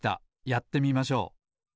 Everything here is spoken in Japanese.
やってみましょう。